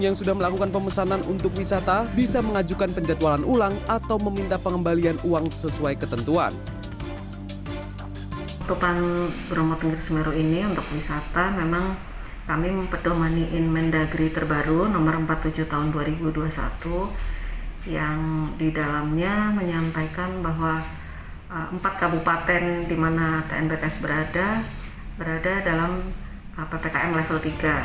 yang di dalamnya menyampaikan bahwa empat kabupaten di mana tnbts berada berada dalam ppkn level tiga